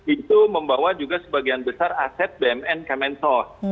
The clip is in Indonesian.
itu membawa juga sebagian besar aset bnm kamensos